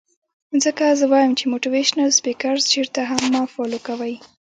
ځکه زۀ وائم چې موټيوېشنل سپيکرز چرته هم مۀ فالو کوئ